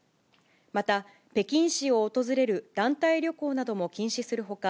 また、北京市を訪れる団体旅行なども禁止するほか、